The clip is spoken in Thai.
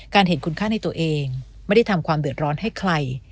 เห็นคุณค่าในตัวเองไม่ได้ทำความเดือดร้อนให้ใคร